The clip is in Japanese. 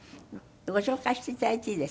ご紹介していただいていいですか？